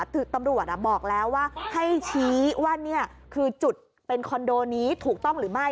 คือตำรวจบอกแล้วว่าให้ชี้ว่านี่คือจุดเป็นคอนโดนี้ถูกต้องหรือไม่